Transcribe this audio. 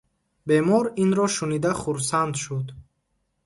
Бемор инро шунида хурсанд шуд.